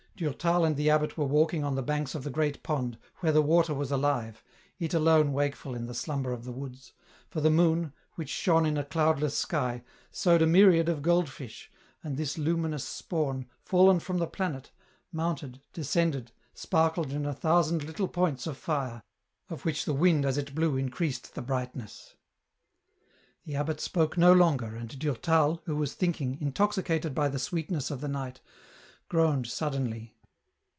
Durtal and the abbot were walking on the banks of the great pond, where the water was alive, it alone wakeful in the slumber of the woods, for the moon, which shone in a cloudless sky, sowed a myriad of goldfish, and this luminous spawn, fallen from the planet, mounted, descended, sparkled in a thousand little points of fire, or which the wind as it blew increased the brightness. The abbot spoke no longer, and Durtal, who was thinking, intoxicated by the sweetness of the night, groaned suddenly.